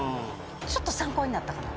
ちょっと参考になったかな。